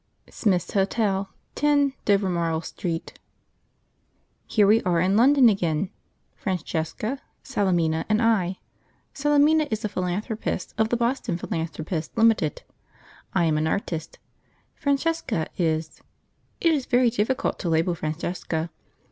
Smith's Hotel, 10 Dovermarle Street. Here we are in London again, Francesca, Salemina, and I. Salemina is a philanthropist of the Boston philanthropists limited. I am an artist. Francesca is It is very difficult to label Francesca.